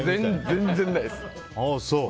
全然ないです。